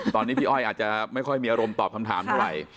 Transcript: ตอนนี้พี่อ้อยอาจจะไม่ค่อยมีอารมณ์ตอบคำถามเท่าไหร่